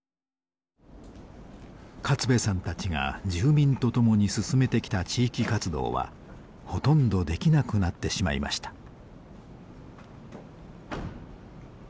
勝部さんたちが住民と共に進めてきた地域活動はほとんどできなくなってしまいました。